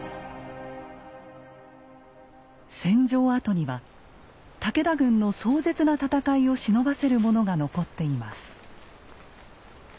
戦場跡には武田軍の壮絶な戦いをしのばせるものが残っています。